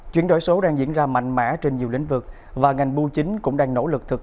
chuyển đổi số đang diễn ra mạnh mẽ trên nhiều lĩnh vực và ngành bưu chính cũng đang nỗ lực thực